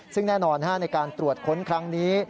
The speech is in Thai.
ซึ่งแน่นอนในการตรวจค้นครั้งนี้